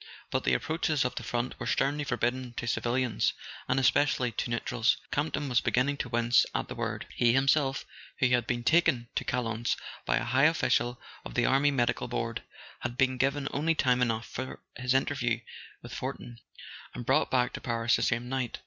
But the approaches of the front were sternly forbidden to civilians, and especially to neutrals (Campton was beginning to wince at the word); he himself, who had been taken to Chalons by a high official of the Army Medical Board, had been given only time enough for his interview with Fortin, and brought back to Paris the same night.